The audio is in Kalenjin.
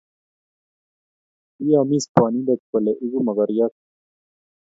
kiyomis bonindet kole eku mokoriat